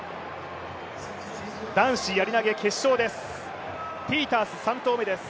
男子やり投決勝です。